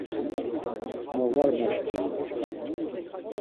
Ma var maşǩurinen.